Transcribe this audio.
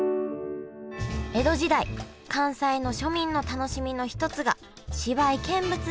江戸時代関西の庶民の楽しみの一つが芝居見物でした。